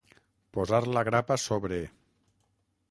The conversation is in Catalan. Posar la grapa sobre.